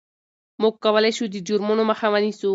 موږ کولای شو د جرمونو مخه ونیسو.